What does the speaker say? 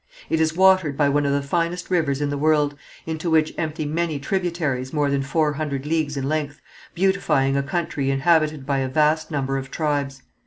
It is watered by one of the finest rivers in the world, into which empty many tributaries more than four hundred leagues in length, beautifying a country inhabited by a vast number of tribes.